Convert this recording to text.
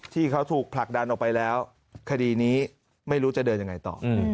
ที่เขาถูกผลักดันออกไปแล้วคดีนี้ไม่รู้จะเดินยังไงต่อ